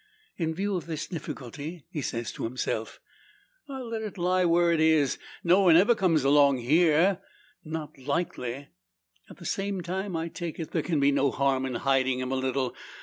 In view of this difficulty, he says to himself, "I'll let it lie where it is. No one ever comes along hero not likely. At the same time, I take it, there can be no harm in hiding him a little.